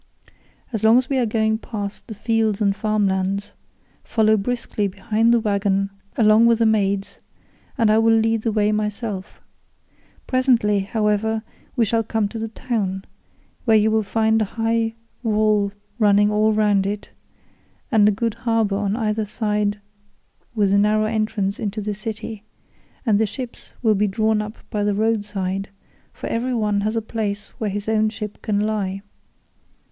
As long as we are going past the fields and farm lands, follow briskly behind the waggon along with the maids and I will lead the way myself. Presently, however, we shall come to the town, where you will find a high wall running all round it, and a good harbour on either side with a narrow entrance into the city, and the ships will be drawn up by the road side, for every one has a place where his own ship can lie.